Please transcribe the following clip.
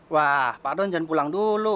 wah pak don jangan pulang dulu